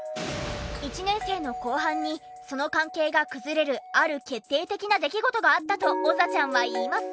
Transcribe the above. １年生の後半にその関係が崩れるある決定的な出来事があったとおざちゃんは言います。